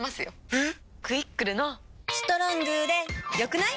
えっ⁉「クイックル」の「『ストロング』で良くない？」